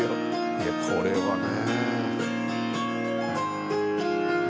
いやこれはね。